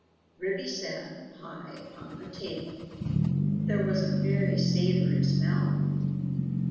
Ribby set the pie upon the table; there was a very savoury smell.